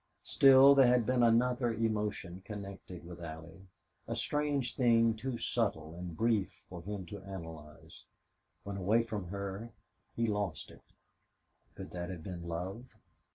Still there had been another emotion connected with Allie a strange thing too subtle and brief for him to analyze; when away from her he lost it. Could that have been love?